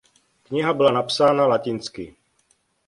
Kniha byla napsána latinsky.